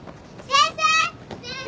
先生！